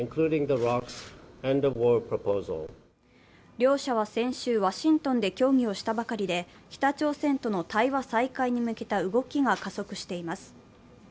両者は先週、ワシントンで協議をしたばかりで、北朝鮮との対話再開に向けた動きが加速しています。